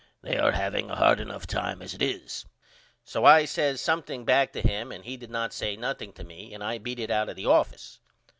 They are having a hard enough time as it is. So I says something back to him and he did not say nothing to me and I beat it out of the office.